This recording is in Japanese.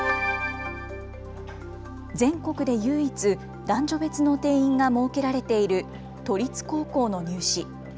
全国で唯一、男女別の定員が設けられている都立高校の入試。